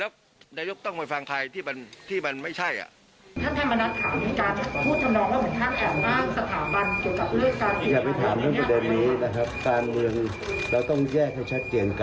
การเงินเราต้องแยกให้แชชัดเจียงการเงินกับการเหงา